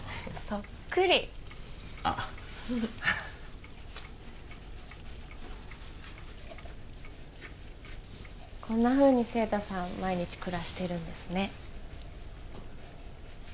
そっくりあっこんなふうに晴太さん毎日暮らしているんですね